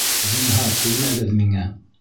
Зинһар, теймәгеҙ миңә!